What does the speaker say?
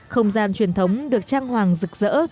không gian truyền thống được trang hoàng rực rỡ